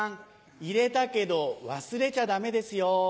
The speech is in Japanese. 入れたけど忘れちゃダメですよ。